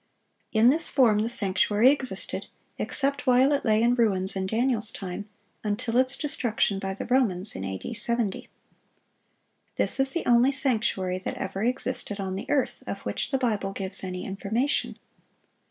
In this form the sanctuary existed—except while it lay in ruins in Daniel's time—until its destruction by the Romans, in A.D. 70. This is the only sanctuary that ever existed on the earth, of which the Bible gives any information.